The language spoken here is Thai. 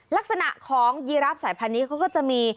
ลักษณะของยีราฟสายพันธุ์นี้เขาก็จะมี